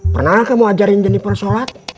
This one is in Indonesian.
pernah kamu ajarin jeniper sholat